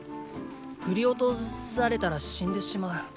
ふり落とされたら死んでしまう。